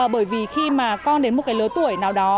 bởi vì khi mà con đến một cái lứa tuổi nào đó